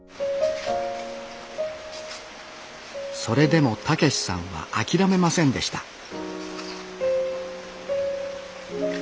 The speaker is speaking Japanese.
それでも健志さんは諦めませんでした